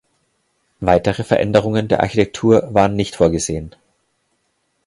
Weitere Veränderungen der Architektur waren nicht vorgesehen.